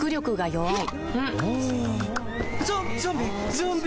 ゾンビ⁉